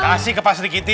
kasih ke pasri kiti